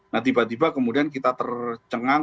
nah tiba tiba kemudian kita tercengang